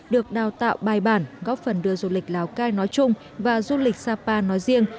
được đào tạo bài bản góp phần đưa du lịch lào cai nói chung và du lịch sapa nói riêng